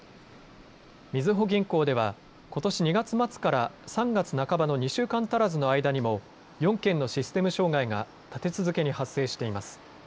みずほ銀行ではことし２月末から３月半ばの２週間足らずの間にも４件のシステム障害が立て続けに発生しています。